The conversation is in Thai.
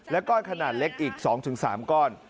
ก้อนขนาดเล็กอีก๒๓ก้อน